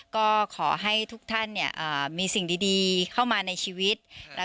ก็ขอให้ทุกท่านมีสิ่งดีเข้ามาในชีวิต